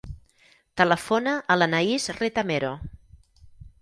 Telefona a l'Anaís Retamero.